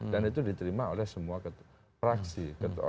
dan itu diterima oleh semua praksi